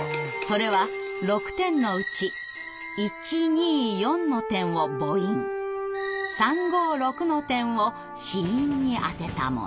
それは６点のうち１２４の点を母音３５６の点を子音にあてたもの。